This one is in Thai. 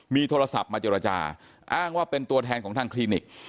มีโทรศัพท์มาเจรจาอ้างว่าเป็นตัวแทนของทางคลินิก